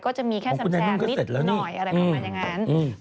ก็จะมีแค่แซมแทนนิดหน่อยอะไรประมาณอย่างนั้นคุณแนนุ้นก็เสร็จแล้วนี่